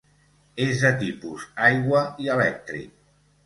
És de tipus aigua i elèctric.